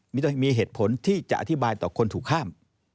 มีเหตุผลที่จะอธิบายต่อคนถูกข้าม